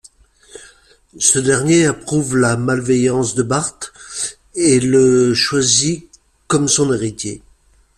Ce dernier approuve la malveillance de Bart et le choisit comme son héritier.